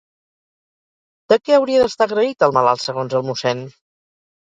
De què hauria d'estar agraït el malalt, segons el mossèn?